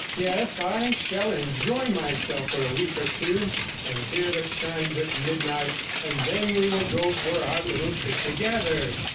Yes; I shall enjoy myself for a week or two, and hear the chimes at midnight, and then we will go for our little trip together.'